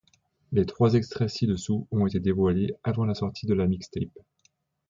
Les trois extraits ci-dessous ont été dévoilés avant la sortie de la mixtape.